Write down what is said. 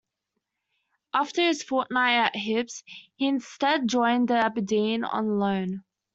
After his fortnight at Hibs, he instead joined Aberdeen on loan.